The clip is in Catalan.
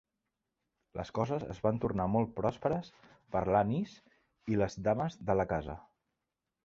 Les coses es van tornar molt pròsperes per l'Annis i les dames de la casa.